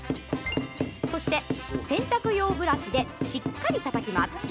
そして、洗濯用ブラシでしっかりたたきます。